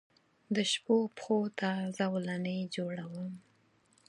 دشپووپښوته زولنې جوړوم